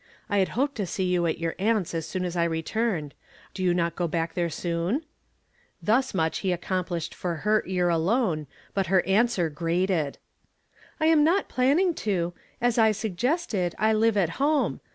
I had hoped to see you at your aunt's as soon as I returned. Do you not go back there soon ?" Tiius much he accomplished for her ear alone, but her answer grated. " I am not planning to ; as I suggested, I live at home.